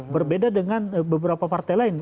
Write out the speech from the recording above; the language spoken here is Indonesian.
berbeda dengan beberapa partai lain